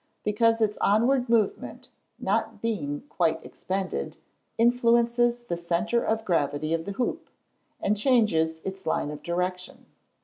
_ Because its onward movement, not being quite expended, influences the centre of gravity of the hoop, and changes its line of direction.